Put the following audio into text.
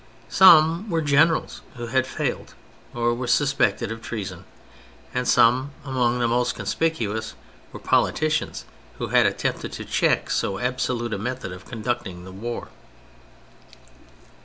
Some were generals who had failed or were suspected of treason ; and some, among the most con spicuous, were politicians who had attempted to check so absolute a method of conducting the war.